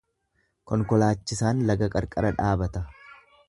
Konkolaachisaan laga qarqara dhaabata.